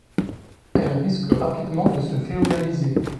Elles risquent rapidement de se féodaliser.